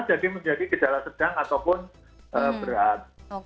menjadi gejala sedang ataupun berat